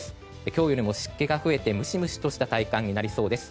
今日よりも湿気が増えてムシムシとした体感になりそうです。